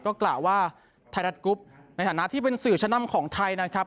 ก็กล่าวว่าไทยรัฐกรุ๊ปในฐานะที่เป็นสื่อชะนำของไทยนะครับ